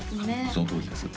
そのとおりです